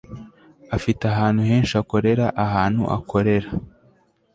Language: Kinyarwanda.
afite ahantu henshi akorera ahantu akorera